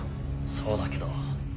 そうだけど。